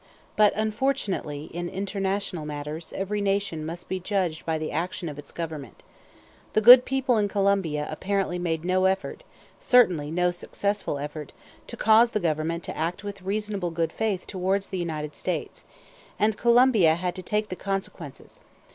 But unfortunately in international matters every nation must be judged by the action of its Government. The good people in Colombia apparently made no effort, certainly no successful effort, to cause the Government to act with reasonable good faith towards the United States; and Colombia had to take the consequences.